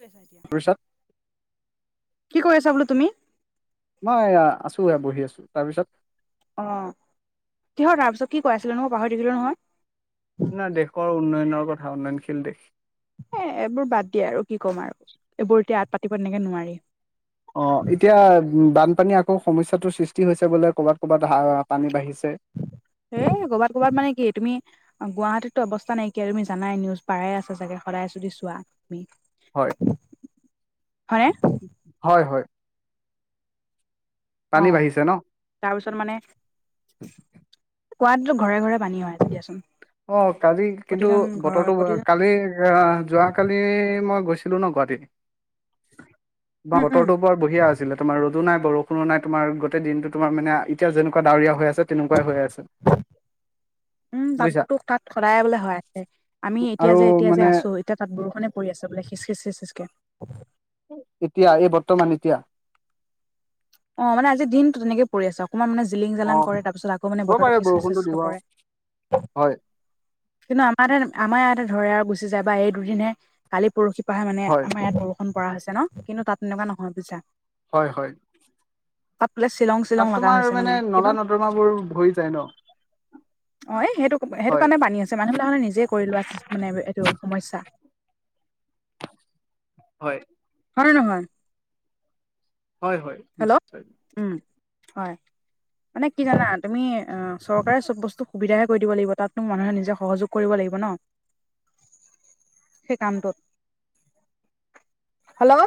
কি তাৰপিছত কৰি আছা বোলো তুমি? মই আছো এয়া বহি আছো, তাৰপিছত। অ', কিহৰ তাৰপিছত কি কৈ আছিলো নো, পাহৰি থাকিলোঁ নহয়। না দেশৰ উন্নয়নৰ কথা, উন্নয়নশীল দেশ। এ এইবোৰ বাদ দিয়া আৰু কি ক'ম আৰু এইবোৰ এতিয়া আট পাতিব এনেকে নোৱাৰি। অ', এতিয়া উম বানপানী আকৌ সমস্যাটোৰ সৃষ্টি হৈছে বোলে ক'ৰবাত, ক'ৰবাত হা পানী বাঢ়িছে। এ ক'বাত, ক'বাত মানে কি, তুমি অ' গুৱাহাটীতটো অৱস্থা নাইকিয়া, তুমি জানাই নিউজ পায়ে আছা চাগে, সদায় যদি চোৱা, তুমি। হয়। হয়নে? হয়, হয়। পানী বাঢ়িছে ন। তাৰ পিছত মানে কোৱাতটোতো ঘৰে, ঘৰে পানী হয়, দিয়াচোন। অ', কালি কিন্তু প্ৰতিজন ঘৰৰ বতৰটো [unintelligible] প্ৰতিজন কালি এ যোৱাকালি মই গৈছিলো ন গুৱাহাটী, বা উম, উম, বতৰটো বৰ বঢ়িয়া আছিলে, তোমাৰ ৰ'দো নাই বৰষুণো নাই তোমাৰ গোটেই দিনটো তোমাৰ মানে এতিয়া যেনেকুৱা ডাৱৰীয়া হৈ আছে, তেনেকুৱাই হৈ আছে। উম, [unintelligible] বুজিছা টো তাত সদায় বোলে হয়, [unintelligible] আমি আৰু এতিয়া যে এতিয়া যে মানে আছো এতিয়া তাত বৰষুণে পৰি আছে বোলে হিচ হিচ, হিচ, হিচ, হিচকে। এতিয়া এই বৰ্তমান এতিয়া। অ মানে আজি দিনটো তেনেকে পৰি আছে, অকণমান মানে জিলিং অ জালাং কৰে তাৰপিছত আকৌ মানে দিব বতৰটো পাৰে হিচ হিচ বৰষুণটো হিচ দিব কে পৰে। হয়। কিন্তু আমাৰ আমাৰ ইয়াতে ধৰে আৰু গুচি যায় বা এই দুদিনহে কালি পৰহি পৰাহে মানে হয় আমাৰ ইয়াত বৰ কৰা হৈছে ন কিন্তু তাত এনেকুৱা নহয় বুইছা। হয় হয়। তাত বোলে শ্বিলং শ্বিলং লগা হৈছে মানে, কিন্তু [unintelligible] ভৰি যায় ন। অ' এই সেইটো সেইটো হয় কাৰণে পানী হৈছে মানুহ বিলাকে নিজেই কৰি লোৱা মানে এইটো সমস্যা। হয়। হয় নে নহয়? হয় হয় হেল্ল' নিশ্চয়। উম হয়। মানে কি জানা তুমি অ চৰকাৰে চব বস্তু সুবিধাহে কৰি দিব লাগিব, তাত ত মানুহে নিজে সহযোগ কৰিব লাগিব ন সেই কামটোত। হেল্ল'।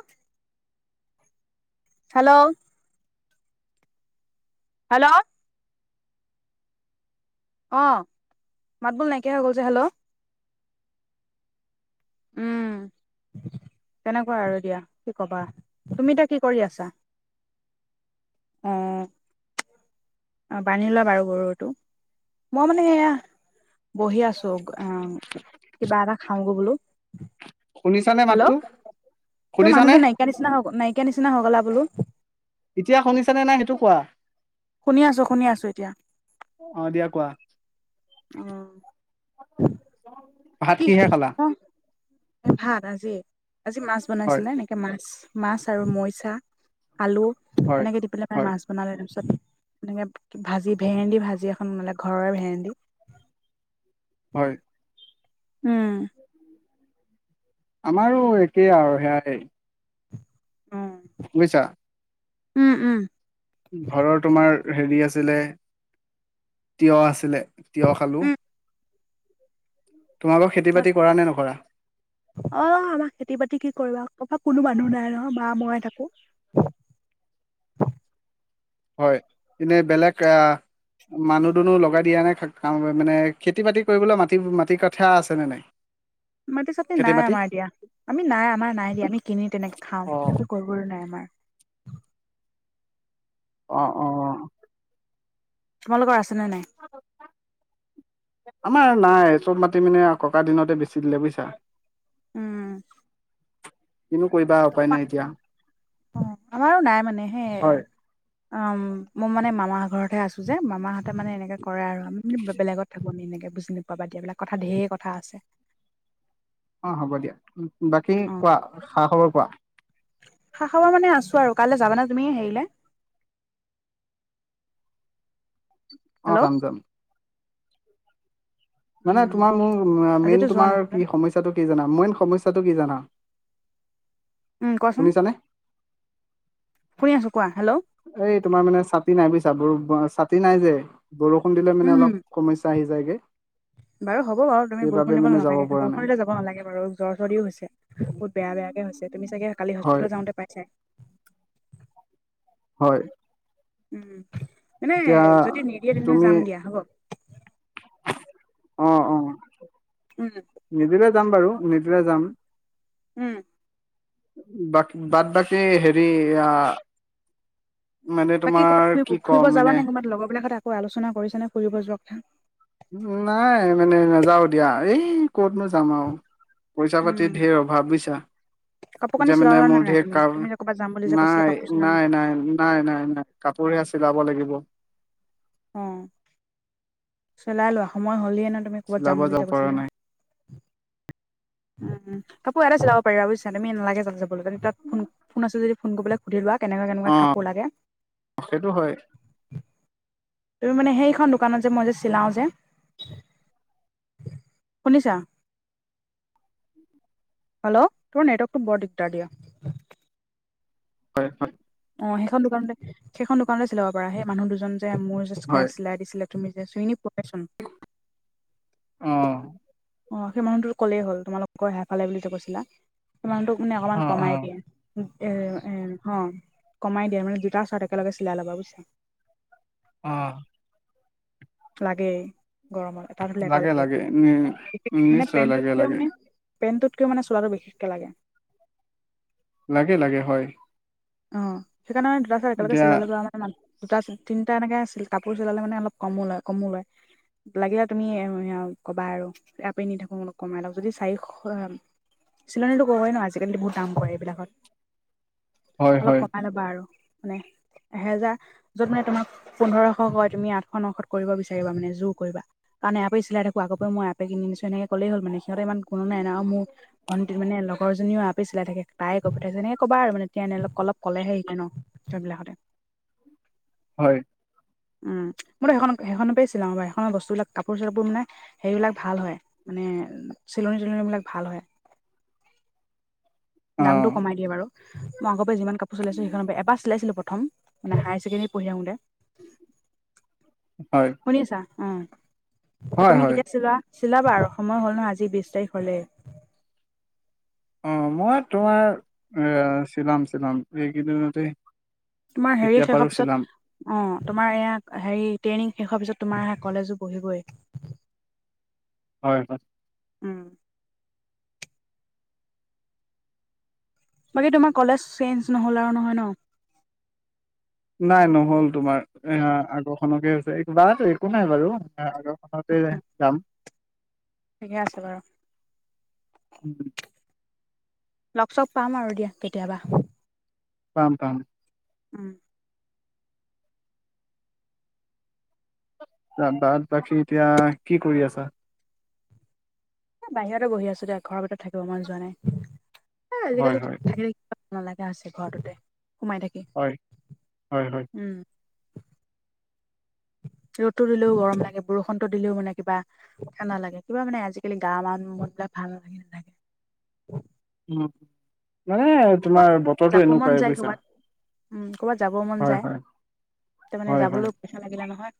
হেল্ল'। হেল্ল'। অ মাত বোল নাইকিয়া হৈ গ'ল যে হেল্ল'। উম। তেনেকুৱা আৰু দিয়া কি কবা, তুমি এতিয়া কি কৰি আছা? অ। অ' বান্ধি লোৱা বাৰু গৰুটো। মই মানে এয়া বহি আছো অ, কিবা এটা খাওঁগৈ বোলো। শুনিছানে হেল্ল' মাতটো তোৰ শুনিছানে মানুহটো নাইকিয়া নিচিনা হ নাইকিয়া নিচিনা হৈ গ'লা বোলো। এতিয়া শুনিছ নে নাই সেইটো কোৱা? শুনি আছো শুনি আছোঁ এতিয়া। অ এতিয়া কোৱা অ ভাত কি কিহে খালা? অ ভাত আজি, আজি মাছ হয় বনাইছিলে। মাছ মাছ আৰু মৰিচা আলু হয় এনেকে দি পেলাই ম হয় মাছ বনালে তাৰপিছত এনেকে ভাজি ভেন্দি ভাজি এখন বনালে ঘৰৰে ভেন্দি। হয়। উম। আমাৰো একেই আৰু সেয়াই। উম বুইছা। উম উম। ঘৰৰ তোমাৰ হেৰি আছিলে তিয়হ আছিলে তিয়হ খালো। তোমালোকৰ খেতি উম বাতি কৰা নে নকৰা? অ' আমাৰ খেতি বাতি কি কৰিবা, আমাৰ কোনো মানুহ নাই নহয় মা মই হে থাকো। হয় এনেই বেলেগ আ মানুহ দুনুহ লগাই দিয়া নাই কাম মানে খেতি বাতি কৰিবলে মাটি মাটি কথা আছে নে নাই? মাটি চাতি খেতি নাই বাতি আমাৰ দিয়া আমি নাই আমাৰ নাই দিয়া আমি কিনি তেনেকে খাওঁ অ একো কৰিবলৈ নাই আমাৰ। অ' অ 'অ। তোমালোকৰ আছে নে নাই। আমাৰ নাই চব মাটি মানে ককা দিনতে বেছি দিলে বুজিছা। উম কিনো কৰিবা। উপায় নাই এতিয়া অ আমাৰো নাই মানে সেই হয় অ মই মানে মামা ঘৰত হে আছো যে মামাহঁতে মানে এনেকে কৰে আৰু আমি মান বেলেগত থাকো আমি এনেকে বুজি নেপেবা দিয়া এইবিলাক কথা ধেৰ কথা আছে। অ হ'ব দিয়া বাকী অ কোৱা খা খবৰ কোৱা? খা খাবৰ মানে আছো আৰু কাইলৈ যাবানে তুমি হেৰিলে। অ হেল্ল' যাম যাম। মানে উম তোমাৰ মোৰ আজিতো মেইন যোৱা তোমাৰ নহ'লে কি সমস্যা। টো কি জানা মেইন সমস্যাটো কি জানা। উম কোৱা চোন। শুনিছানে? শুনি আছো কোৱা হেল্ল'। এই তোমাৰ মানে ছাতি নাই বুজিছা ব ছাতি নাই যে বৰষুণ দিলে মানে উম অলপ সমস্যা আহি যায়গে। বাৰু হ'ব বাৰু তুমি সেইবাবে বৰষুণ দিব মানে যাব নালাগে পৰা নাই বৰষুণ দিলে যাব নালাগে বাৰু। জ্বৰ চৰৰ্দি হৈছে বহুত বেয়া বেয়াকৈ হৈছে তুমি চাগে কালি হয় হস্পিটেলত যাওঁতে পাইছা। হয় উম মানে এতিয়া যদি নিদিয়ে তেনেহ'লে তুমি যাম দিয়া হ'ব। অ অ উম। নিদিলে যাম বাৰু নিদিলে যাম। উম বাদ বাদ বাকী হেৰি আ বাকী ক'বাত তুমি কি ক'ম ফুৰিব মানে যাবানে কৰবাত লগৰবিলাকত আক আলোচনা কৰিছানে ফুৰিব যোৱা কথা। নাই মানে নাযাও দিয়া এই কতনো যাম আৰু পইচা পাতিৰ উম ধেৰ অভাৱ বুজিছা। কাপোৰ কানি এতিয়া মানে চিলালা নে মোৰ নাই ধেই তুমি কাম তুমি যে ক'ৰবাত যাম বুলি যে কৈছিলা নাই কাপোৰ চিলাম নাই নাই। নাই নাই নাই কাপোৰহে চিলাব লাগিব। অ চিলাই লোৱা সময় হ'লে ন তুমি ক'ৰবাত যাম চিলাব বুলি যাব যে পৰা কৈছিলা। নাই উম কাপোৰ এয়াতে চিলাব পাৰিব বুজিছা তুমি নালাগে তাত যাবলৈ যদি তাত ফোন ফোন আছে যদি ফোন কৰি পেলাই সুধি লোৱা। কেনেকুৱা কেনেকুৱা অ কাপোৰ লাগে। সেইটো হয় তুমি মানে সেইখন দোকানত যে মই যে চিলাওঁ যে। শুনিছা। হেল্ল' তোমাৰ নেটৱৰ্কটো বৰ দিগদাৰ দিয়া। হয় হয়। অ সেইখন দোকানতে সেইখন দোকানতে চিলাব পাৰা সেই মানুহ দুজন যে মোৰ যে চিলাই হয় চিলাই দিছিলে। তুমি যে চিনি পোৱাই চোন। অ অ সেই মানুহটোক ক'লেই হ'ল তোমালোকৰ হেফালে বুলি যে কৈছিলা সেই মানুহটোক মানে অকণমান অ অ কমাই দিয়ে। এ এ কমাই দিয়ে মানে দুটা চাৰ্ট একেলগে চিলাই ল'বা বুজিছা। অ লাগে গৰমত এটা ধুলে এটা লাগে লাগেই লাগে উম মানে নিশ্চয় পেণ্টটোত লাগে কিয় লাগে মানে পেন্টটোকে মানে চোলাটো বিশেষকে লাগে। লাগে লাগে হয়। অ সেইকাৰণে দুটা চাৰ্ট একেলগে এতিয়া চিলাই ল'বা আমাৰ দুটা তিনিটা এনেকে কাপোৰ চিলালে মানে অলপ কমো লয় কমো লয়। লাগিলে তুমি [unintelligible] ক'বা আৰু ইয়াপাই নি থাকো কমাই লওঁক যদি চাৰিশ [unintelligible] ক'বই ন' আজিকালি বহুত দাম কৰে এইবিলাকত। হয় অলপ হয় কমাই ল'বা আৰু মানে এহেজাৰ, য'ত মানে তোমাক পোন্ধৰশ কয় তুমি আঠশ নশত কৰিব বিচাৰিবা মানে জোৰ কৰিবা। কাৰণ ইয়াৰ পাই চিলাই থাকো আগৰ পৰাই কিনি নিছো এনেকে ক'লেই হ'ল মানে সিহঁতে ইমান কোনো নাই ন' আৰু মোৰ ভণ্টি মানে লগৰ এজনীও ইয়াৰ পৰাই চিলাই থাকে। তাই কৈ পঠাইছে তেনেকে ক'বা আৰু মানে তেতিয়া এনে অলপ ক'লেহে দিয়ে ন' [unintelligible] বিলাকতে। উম উম মইতো সেইখন-সেইখনৰ পৰাই চিলাই বা। সেইখনৰ বস্তুবিলাক কাপোৰ চাপোৰ মানে সেইবিলাক ভাল হয় মানে চিলনি টিলনি বিলাক ভাল হয়। অ দামটো কমাই দিয়ে বাৰু। মই আগৰ পৰা যিমান কাপোৰ চিলাইছো সেইখনৰ পৰা, এবাৰ চিলাইছিলো প্ৰথম মানে হায়াৰ ছেকেণ্ডাৰীত পঢ়ি থাকোঁতে। হয়। শুনিছা উম হয় তুমি হয় কেতিয়া চিলোৱা চিলাবা আৰু সময় হ'ল নহয় আজি বিশ তাৰিখ হ'লেই। অ' মই তোমাৰ আ চিলাম চিলাম এই কেইদিনতে তোমাৰ হেৰি শেষ হোৱা পিছত অ' তোমাৰ এয়া হেৰি ট্ৰেইনিং শেষ হোৱাৰ পিছত তোমাৰ কলেজো পঢ়িবই। হয় [inaudible] বাকী তোমাৰ কলেজ চেঞ্জ নহ'ল আৰু নহয় ন'। নাই নহ'ল তোমাৰ? আ আগৰখনকে হৈছে বা একো নাই বাৰু আগৰখনতে যাম। ঠিকে আছে বাৰু। [inaudible] লগ চগ পাম আৰু দিয়া কেতিয়াবা। পাম পাম। উম বাত বাকী এতিয়া কি কৰি আছা? এ বাহিৰতে বহি আছো দে। ঘৰৰ ভিতৰত থাকিব মন যোৱা নাই এ হয় আজিকালি হয় থাকি থাকি ভাল নলগা হৈছে ঘৰটোতে সোমাই থাকি। হয় হয়। [inaudible] ৰ'দটো দিলেও গৰম লাগে, বৰষুণতো দিলেও মানে কিবা। ভাল নালাগে। কিবা মানে আজিকালি গা মান মনবিলাক ভাল লাগি নাথাকে। মানে তোমাৰ বতৰটো যাব মন এনেকুৱাই যায় বুইছা। ক'ৰবাত উম কৰ'বাত যাব মন যায়, হয় হয় যাবলৈ পইচা লাগিলে নহয়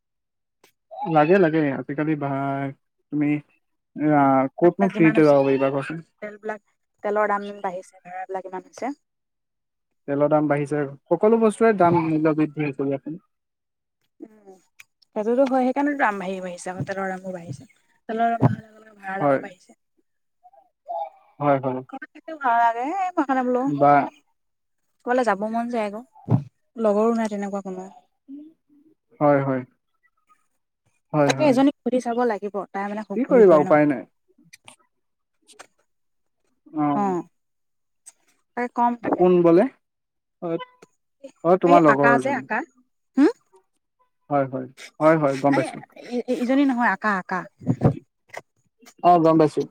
লাগে লাগে। আজিকালি ভাই তুমি আ ক'তনো যিমান ফ্ৰীতে হৈছে যাব পাৰিবা কোৱাচোন। তেলবিলাক তেলৰ দাম বাঢ়িছে, ভাড়াবিলাক ইমান হৈছে। তেলৰ দাম বাঢ়িছে সকলো বস্তুৰে দাম মূল্য বৃদ্ধি কৰি আছে। উম সেইটোতো হয়। সেইকাৰণেতো দাম বাঢ়ি বাঢ়িছে তেলৰ দামো বাঢ়িছে তেলৰ দাম বঢ়াৰ লগে লগে ভাড়া হয় দামো বাঢ়িছে। হয় হয়। বা [unintelligible] ক'বালে যাব মন যায় আক' লগৰো নাই তেনেকুৱা কোনো। হয় হয়। হয় তাকে হয় এজনীক সুধি চাব লাগিব তাই মানে খুব কি ঘূৰি কৰিবা ফুৰে ন। উপায় নাই অ অ। তাকে কম তাকে কোন বোলে অ'অ' এই তোমাৰ আকা লগৰ যে এজনী। আকা হম হয় হয় হয় হয় গম পাইছো এই ইজনী নহয় আকা আকা। অ গম পইছোঁ।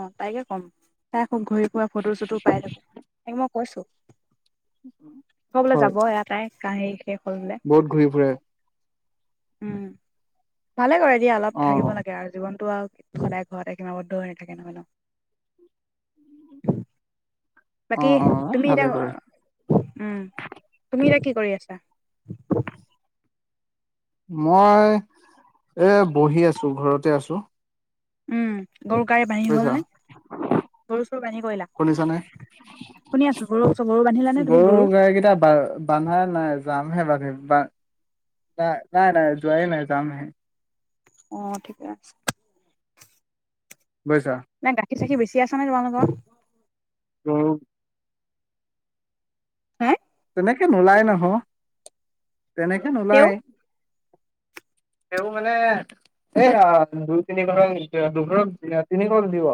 অ' তাইকে ক'ম তাই আকৌ ঘূৰি ফুৰা ফটো চটো পাই থাকোঁ, তাকে মই কৈছোঁ। আকৌ বোলে হয় যাব এটাই কাহি শেষ হ'ল বোলে। বহুত ঘূৰি ফুৰে উম ভালে কৰে দিয়া অলপ অ থাকিব লাগে আৰু জীৱনতটো আৰু সদায় ঘৰত একমত [unintelligible] নাথাকে নহয় ন। অ বাকী অ তুমি এতিয়া ভালে কৰে উম তুমি এতিয়া কি কৰি আছা? মই এ বহি আছো ঘৰতে আছো। উম গৰু গাই বান্ধি হ'ল বুজিছা নে। গৰু চৰু বান্ধি কৰিলা শুনিছানে। শুনি আছো গৰু গৰু বান্ধিলা নে তুমি গৰু গাইকেইটা বা বান্ধা নাই যামহে বান্ধিম নাই নাই নাই যোৱাই নাই যামহে। অ' ঠিকে আছে। বুইছা। নে গাখীৰ চাখিৰ বেছি আছে ন তোমালোকৰ [unintelligible] হা তেনেকে নোলায় নহয় তেনেকে তেও নোলায়। [inaudible] তেওঁ মানে। এয়া দুই তিনি ঘৰক নিদিব দুঘৰক তিনি ঘৰ দিব।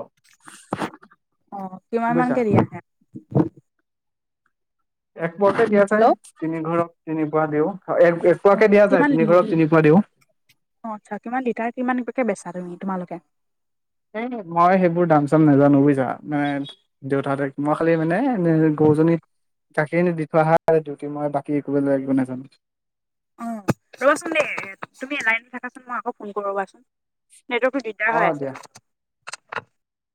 অ 'কিমান বুজিছা মানকে দিয়ে [unintelligible] এক পোৱাকে দিয়া যায় হেল্ল' তিনি‌ ঘৰক তিনি পোৱা দিওঁ এক এক এক অ পোৱাকে দিয়া যায় তিনি ঘৰত তিনি পোৱাকে দিওঁ। অ'আচ্ছা কিমান লিটাৰ কিমানকে বেচা তুমি তোমালোকে? এ মই সেইবোৰ দাম চাম নাজানো বুইছা মানে। দেউতাহতে মই খালি মানে গৰুজনী গাখী নি দি থোৱা হয় ডিউটি মই বাকী একো কৰিব নাজানো। অ ৰ'বাচোন দেই তুমি এ লাইনত থাকাচোন মই আকৌ ফোন কৰো ৰবাচোন। সেইটো ত দিগদাৰ অ হৈ দিয়া আছে।